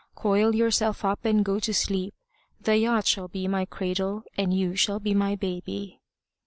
Coil yourself up and go to sleep. The yacht shall be my cradle and you shall be my baby."